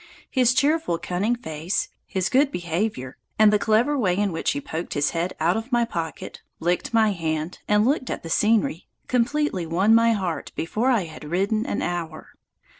His cheerful, cunning face, his good behavior, and the clever way in which he poked his head out of my pocket, licked my hand, and looked at the scenery, completely won my heart before I had ridden an hour.